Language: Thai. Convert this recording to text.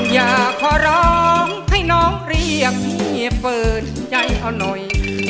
อยากขอร้องให้น้องเรียกพี่เปิดใจเขาหน่อย